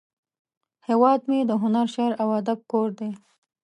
هیواد مې د هنر، شعر، او ادب کور دی